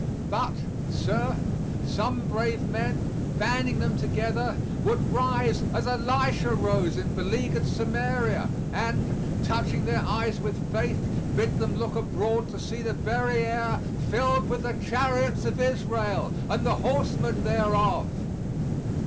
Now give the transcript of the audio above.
But, sir, some brave men, banding them together, would rise as Elisha rose in beleaguered Samaria, and, touching their eyes with faith, bid them look abroad to see the very air "filled with the chariots of Israel and the horsemen thereof."